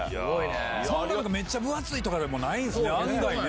そんなめっちゃ分厚いとかでもないんすね。